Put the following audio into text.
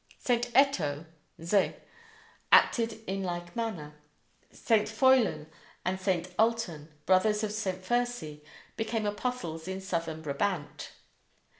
St. Etto (Zé) acted in like manner. St. Foillan and St. Ultan, brothers of St. Fursey, became apostles in southern Brabant.